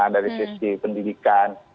dari sisi pendidikan